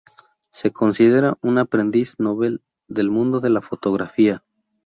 Se considera un aprendiz novel del mundo de la fotografía.